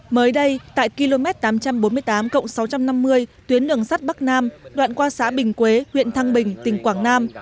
mới đây tại km tám trăm bốn mươi tám cộng sáu trăm năm mươi tuyến đường sắt bắc nam đoạn qua xã bình quế huyện thăng bình tỉnh quảng nam